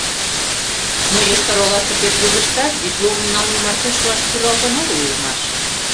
Но Йошкар-Оласе педвузыштат дипломым налме марте шуаш пӱралтын огыл улмаш.